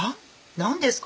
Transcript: なんですか？